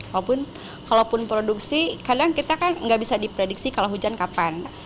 walaupun kalaupun produksi kadang kita kan nggak bisa diprediksi kalau hujan kapan